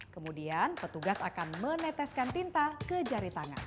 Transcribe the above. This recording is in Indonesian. kemudian petugas akan meneteskan tinta ke jari tangan